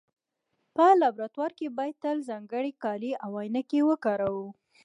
په لابراتوار کې باید تل ځانګړي کالي او عینکې وکاروو.